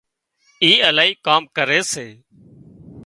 اِي الاهي ڪام ڪري سي